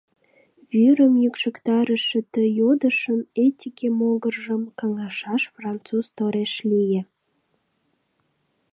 Вӱрым йӱкшыктарыше ты йодышын этике могыржым каҥашаш француз тореш лие.